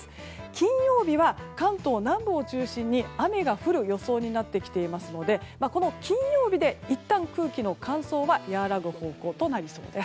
金曜日は関東南部を中心に雨が降る予想になってきていますのでこの金曜日で、いったん空気の乾燥は和らぐ方向となりそうです。